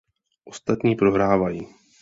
Ostatní prohrávají.